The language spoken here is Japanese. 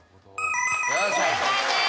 正解です。